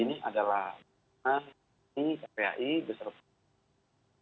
ini adalah kata kata kpa itasik malaya